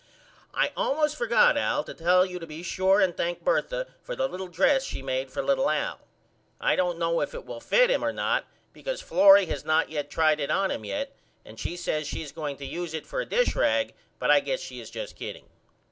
I allmost forgot Al to tell you to be sure and thank Bertha for the little dress she made for little Al. I don't know if it will fit him or not because Florrie has not yet tried it on him yet and she says she is going to use it for a dishrag but I guess she is just kidding.